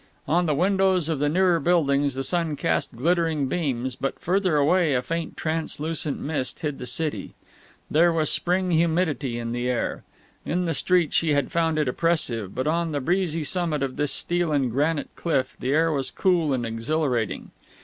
On the windows of the nearer buildings the sun cast glittering beams, but further away a faint, translucent mist hid the city. There was Spring humidity in the air. In the street she had found it oppressive: but on the breezy summit of this steel and granite cliff the air was cool and exhilarating.